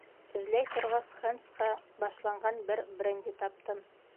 Эҙләй торғас, Хэндсҡа башланған бер бренди таптым.